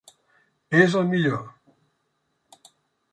És el millor.